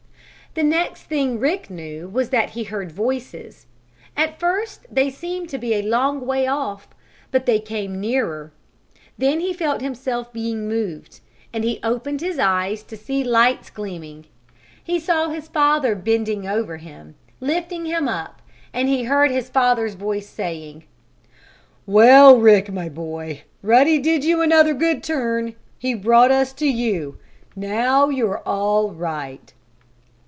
The next thing Rick knew was that he heard voices. At first they seemed to be a long way off, but they came nearer. Then he felt himself being moved, and he opened his eyes to see lights gleaming. He saw his father bending over him, lifting him up, and he heard his father's voice saying: "Well, Rick, my boy! Ruddy did you another good turn! He brought us to you! Now you're all right!"